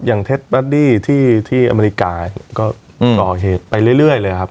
เท็จบัดดี้ที่อเมริกาก็ก่อเหตุไปเรื่อยเลยครับ